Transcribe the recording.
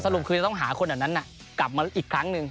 รุปคือจะต้องหาคนเหล่านั้นกลับมาอีกครั้งหนึ่ง